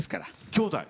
きょうだい？